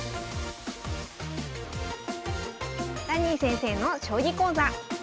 ダニー先生の将棋講座。